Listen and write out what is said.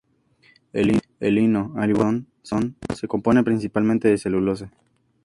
El lino, al igual que el algodón, se compone principalmente de celulosa.